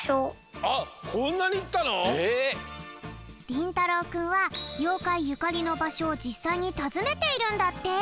りんたろうくんはようかいゆかりのばしょをじっさいにたずねているんだって！